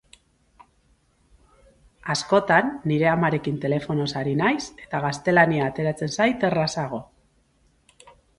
Askotan, nire amarekin telefonoz ari naiz eta gaztelania ateratzen zait errazago.